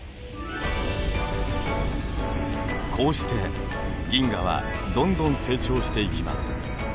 こうして銀河はどんどん成長していきます。